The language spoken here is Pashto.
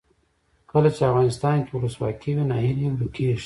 کله چې افغانستان کې ولسواکي وي ناهیلي ورکیږي.